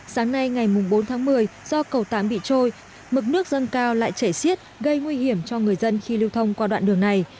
sáng nay ngày bốn tháng một mươi do cầu tạm bị trôi mực nước dâng cao lại chảy xiết gây nguy hiểm cho người dân khi lưu thông qua đoạn đường này